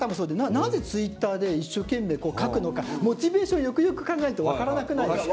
なぜＴｗｉｔｔｅｒで一生懸命書くのかモチベーションよくよく考えるとわからなくないですか？